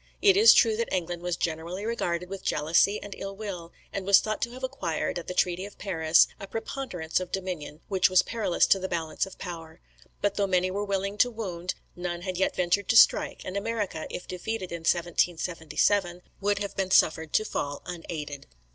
It is true that England was generally regarded with jealousy and ill will, and was thought to have acquired, at the treaty of Paris, a preponderance of dominion which was perilous to the balance of power; but though many were willing to wound, none had yet ventured to strike; and America, if defeated in 1777, would have been suffered to fall unaided.